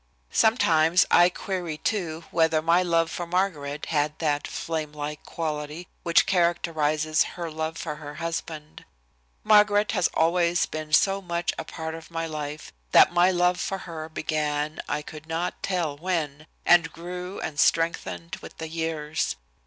"Sometimes I query, too, whether my love for Margaret had that flame like quality which characterizes her love for her husband. Margaret has always been so much a part of my life that my love for her began I could not tell when, and grew and strengthened with the years.